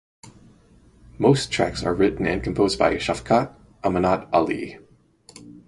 Most tracks are written and composed by Shafqat Amanat Ali.